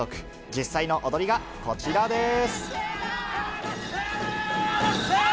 実際の踊りがこちらです。